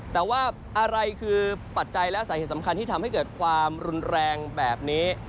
แต่ว่าอะไรคือปัจจัยและสาเหตุสำคัญที่ทำให้เกิดความรุนแรงแบบนี้